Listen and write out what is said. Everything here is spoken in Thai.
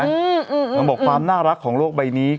นางบอกความน่ารักของโลกใบนี้